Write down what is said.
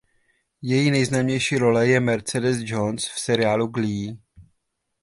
Její nejznámější role je Mercedes Jones v seriálu "Glee".